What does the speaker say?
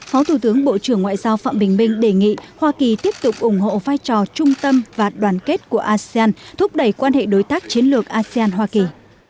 phó thủ tướng bộ trưởng ngoại giao phạm bình minh đề nghị hoa kỳ tiếp tục ủng hộ vai trò trung tâm và đoàn kết của asean thúc đẩy quan hệ đối tác chiến lược asean hoa kỳ